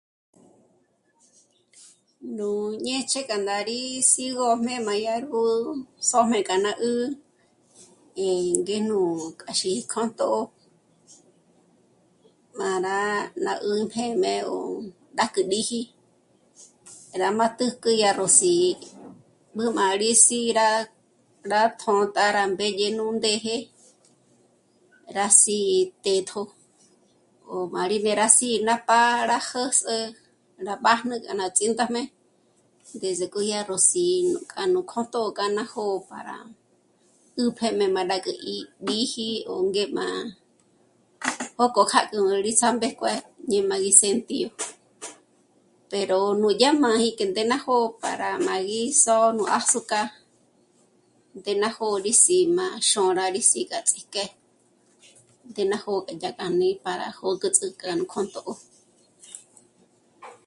Nú ñë̌ch'e k'a ndá rí sîgojmé má dyárgó sójme k'a ná 'ä́'ä eh... ngéjnú kjâxí kjō̌tjō má rá ná 'ǘmpjém'e 'ó rájk'ü ríji rá ma tä́jk'ü yá ró sí'i mbǘm'âri sí'i rá... rá tjō̌tjā rá mbédye nú ndéje rá sí'i tjḗ'ētjo ngó má rí né'e rá sí'i ná pá'a rá jǚs'ü rá mbájnü k'a rá síjtajme desde k'o yá ró sí'i nú k'a ná kjō̌jtjō kja ná jó'o para 'ä́pjém'e má 'é'me mbá k'a 'íbiji 'ó ngé'ma jókò jâk'ü rí ts'á mbéjkue dyé má gí sentío pero nú yá máji que ndé ná jó'o para ma gí só'o nú ázucar, ndé na jó'o rí sí'i má xôra rí sí'i kja ts'íjké ndé ná jó'o dyájka mí para jö̌güts'akü ná kjō̌jtjō